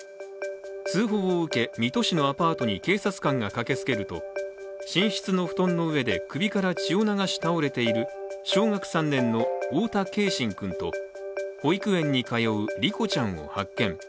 通報を受け、水戸市のアパートに警察官が駆けつけると寝室の布団の上で首から血を流し倒れている小学３年の太田継真君と保育園に通う梨心ちゃんを発見。